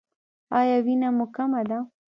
ایا وینه مو کمه ده؟